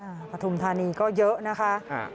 ปฐุมธานีก็เยอะนะคะ